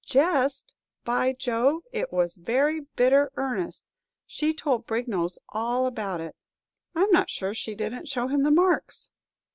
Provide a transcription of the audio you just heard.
"Jest? By Jove! it was very bitter earnest. She told Brignolles all about it. I 'm not sure she didn't show him the marks."